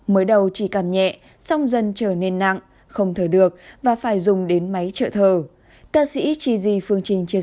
mới đầu chỉ cằm nhẹ song dân trở nên nặng không thở được và phải dùng đến máy trợ thờ ca sĩ chi di phương trinh chia sẻ